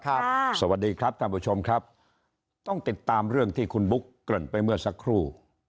สวัสดีครับท่านผู้ชมครับต้องติดตามเรื่องที่คุณบุ๊กเกริ่นไปเมื่อสักครู่